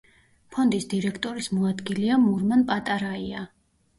ფონდის დირექტორის მოადგილეა მურმან პატარაია.